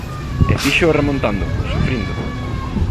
E fíxoo remontando, sufrindo.